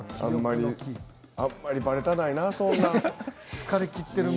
あんまり、ばれたないなそんなの。